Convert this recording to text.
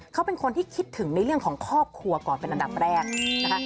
เขาเป็นคนที่คิดถึงในเรื่องของครอบครัวก่อนเป็นอันดับแรกนะคะ